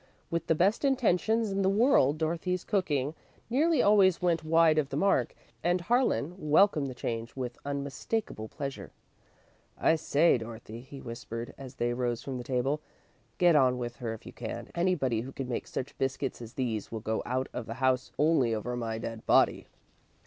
With the best intentions in the world, Dorothy's cooking nearly always went wide of the mark, and Harlan welcomed the change with unmistakable pleasure. "I say, Dorothy," he whispered, as they rose from the table; "get on with her if you can. Anybody who can make such biscuits as these will go out of the house only over my dead body."